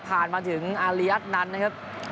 มาถึงอาริยัตนันนะครับ